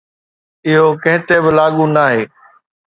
اهو ڪنهن تي به لاڳو ناهي.